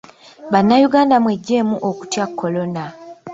Bannayuganda mweggyemu okutya Kolona.